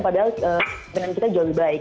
padahal benar benar kita jauh lebih baik